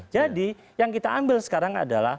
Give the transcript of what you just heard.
jadi yang kita ambil sekarang adalah